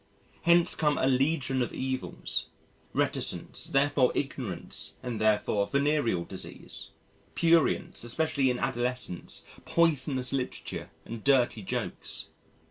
Hence come a legion of evils: reticence, therefore ignorance and therefore venereal disease; prurience especially in adolescence, poisonous literature, and dirty jokes.